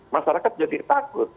masyarakat jadi takut